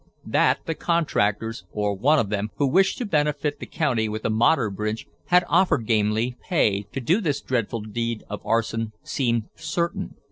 That the contractors, or one of them, who wished to benefit the county with a modern bridge had offered Gamely pay to do this dreadful deed of arson seemed certain.